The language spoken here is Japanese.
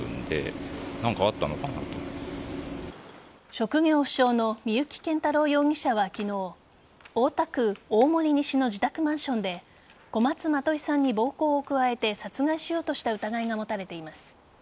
職業不詳の三幸謙太郎容疑者は昨日大田区大森西の自宅マンションで小松まといさんに暴行を加えて殺害しようとした疑いが持たれています。